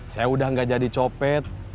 saya udah gak jadi copet